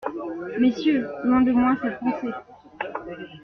Messieurs, loin de moi cette pensée…